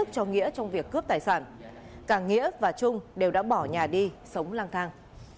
càng nghĩa và trung đều đã bỏ nhà đi sống lang thang